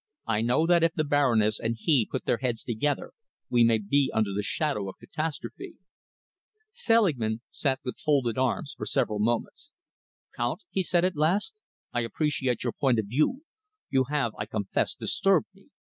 "I know that if the Baroness and he put their heads together, we may be under the shadow of catastrophe." Selingman sat with folded arms for several moments. "Count," he said at last, "I appreciate your point of view. You have, I confess, disturbed me.